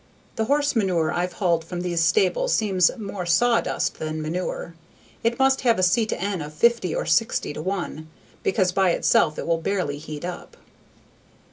The "horse manure" I've hauled from these stables seems more sawdust than manure. It must have a C/N of 50 or 60:1 because by itself it will barely heat up.